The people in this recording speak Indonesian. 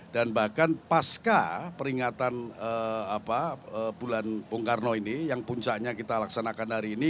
dan bahkan pasca peringatan bulan punggarno ini yang puncaknya kita laksanakan hari ini